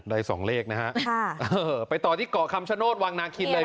สองเลขนะฮะค่ะเออไปต่อที่เกาะคำชโนธวังนาคินเลย